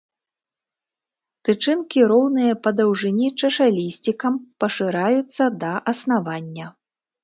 Тычынкі роўныя па даўжыні чашалісцікам, пашыраюцца да аснавання.